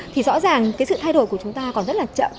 thì rõ ràng sự thay đổi của chúng ta còn rất chậm